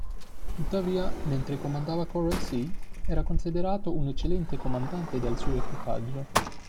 Tuttavia, mentre comandava "Coral Sea" era considerato un eccellente comandante dal suo equipaggio.